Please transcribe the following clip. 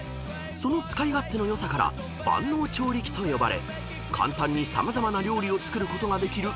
［その使い勝手の良さから万能調理器と呼ばれ簡単に様々な料理を作ることができる優れ物］